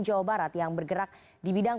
jawa barat yang bergerak di bidang